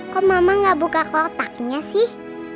kok mama gak buka kotaknya sih